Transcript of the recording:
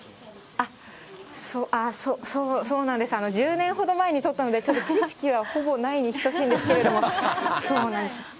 ああ、そうなんです、１０年ほど前に取ったので、ちょっと知識はほぼないに等しいんですけれども、そうなんです。